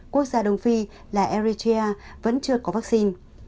quốc gia đông phi là ericia vẫn chưa có vaccine